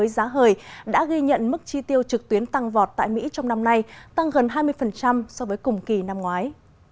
giá ghi nhận mức chi tiêu trực tuyến tăng vọt tại mỹ trong năm nay tăng gần hai mươi so với cùng kỳ năm ngoái